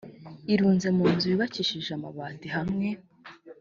irunze mu nzu yubakishije amabati hamwe